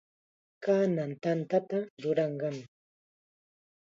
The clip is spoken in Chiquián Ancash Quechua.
Kanan tantata ruranqam.